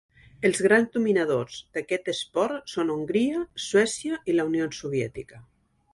Els grans dominadors d'aquest esport són Hongria, Suècia i la Unió Soviètica.